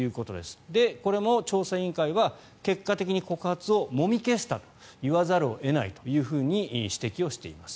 これも調査委員会は結果的に告発をもみ消したと言わざるを得ないと指摘しています。